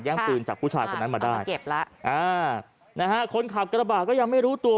แย่งปืนจากผู้ชายคนนั้นมาได้อานะฮะคนขับกระบาดก็ยังไม่รู้ตัว